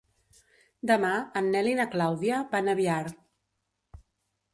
Demà en Nel i na Clàudia van a Biar.